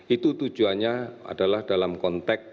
itu tujuannya adalah dalam konteks